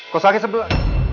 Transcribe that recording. kau sakit sebelah